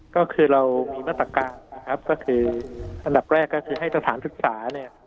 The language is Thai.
ก็คือเรามีมาตรการอันดับแรกก็คือให้ตรฐานศึกษา